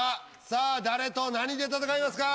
さあ誰と何で戦いますか？